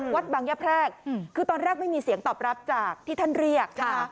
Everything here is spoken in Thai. วัดบางยะแพรกคือตอนแรกไม่มีเสียงตอบรับจากที่ท่านเรียกนะคะ